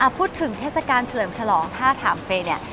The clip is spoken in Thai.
เทศกาลเฉลิมฉลองถ้าถามเฟย์เนี่ย